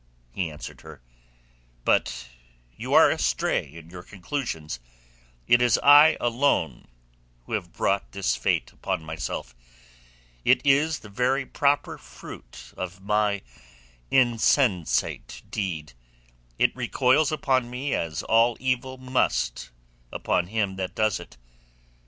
he answered her. "But you are astray in your conclusions. It is I alone who have brought this fate upon myself. It is the very proper fruit of my insensate deed. It recoils upon me as all evil must upon him that does it."